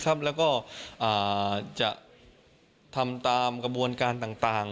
แล้วก็จะทำตามกระบวนการต่าง